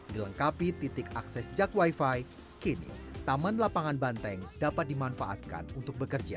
dilengkapi titik akses jak wifi kini taman lapangan banteng dapat dimanfaatkan untuk bekerja